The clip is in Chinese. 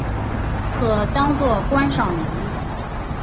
可当作观赏鱼。